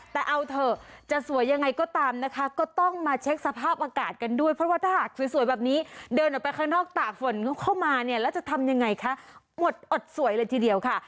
แต่เอาเถอะจะสวยยังไงก็ตามนะคะก็ต้องมาเช็คสภาพอากาศกันด้วยเพราะว่าถ้าหากสวยแบบนี้เดินออกไปข้างนอกตากฝนเข้ามาเนี่ยแล้วจะทำยังไงคะอดสวยเลยทีเดียวค่ะ